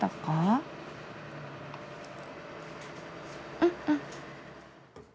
うんうん。